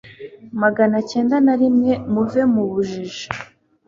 maganacyenda narimwe muve mubu jiji